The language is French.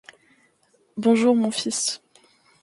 Bonjour, mon fils.